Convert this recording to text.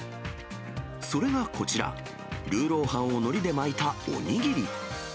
それがこちら、ルーローハンをのりで巻いたお握り。